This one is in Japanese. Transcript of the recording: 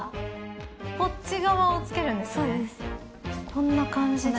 こんな感じで。